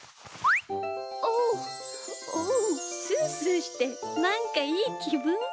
おっおうスースーしてなんかいいきぶん。